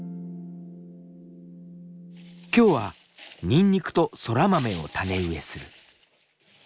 今日はにんにくとそら豆を種植えする。